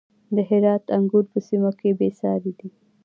د هرات انګور په سیمه کې بې ساري دي.